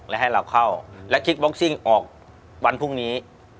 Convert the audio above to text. และให้เราเข้าและคิกบ็อกซิ่งออกวันพรุ่งนี้